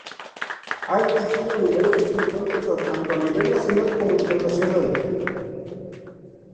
Ha dirigido numerosos encuentros tanto a nivel nacional como internacional.